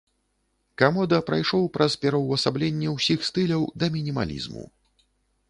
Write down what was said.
Камода прайшоў праз пераўвасабленне ўсіх стыляў да мінімалізму.